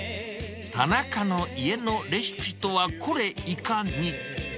田中の家のレシピとはこれいかに。